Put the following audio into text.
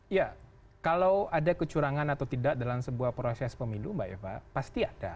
iya kalau ada kecurangan atau tidak dalam sebuah proses pemilu mbak eva pasti ada